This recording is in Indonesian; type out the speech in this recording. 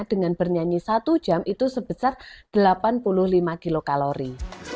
dengan bernyanyi satu jam itu sebesar delapan puluh lima kilokalori